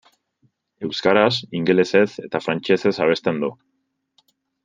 Euskaraz, ingelesez eta frantsesez abesten du.